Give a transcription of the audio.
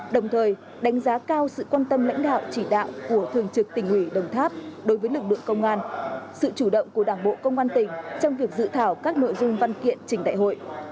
đồng thời đánh giá cao sự quan tâm lãnh đạo chỉ đạo của thường trực tỉnh ủy đồng tháp đối với lực lượng công an sự chủ động của đảng bộ công an tỉnh trong việc dự thảo các nội dung văn kiện trình đại hội